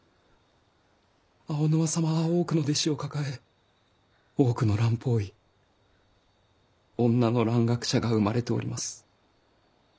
青沼様は多くの弟子を抱え多くの蘭方医女の蘭学者が生まれております。